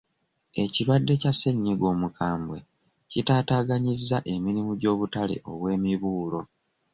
Ekirwadde kya sseennyiga omukambwe kitaataaganyizza emirimu gy'obutale obw'emibuulo..